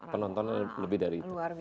penontonan lebih dari itu